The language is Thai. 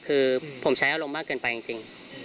คือผมใช้อารมณ์มากเกินไปจริง